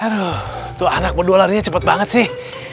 aduh anak berdua larinya cepet banget sih